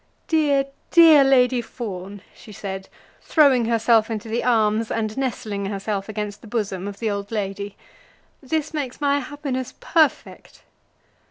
"Dear, dear Lady Fawn!" she said, throwing herself into the arms and nestling herself against the bosom of the old lady, "this makes my happiness perfect."